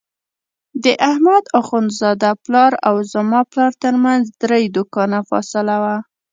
د احمد اخوندزاده پلار او زما پلار ترمنځ درې دوکانه فاصله وه.